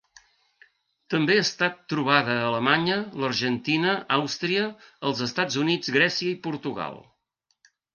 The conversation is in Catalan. També ha estat trobada a Alemanya, l'Argentina, Àustria, els Estats Units, Grècia i Portugal.